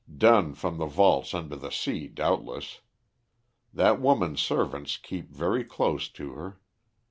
"Done from the vaults under the sea, doubtless. That woman's servants keep very close to her.